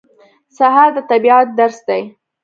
سهار د طبیعت درس دی.